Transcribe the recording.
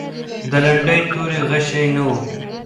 د لنډۍ توري غشی نه و.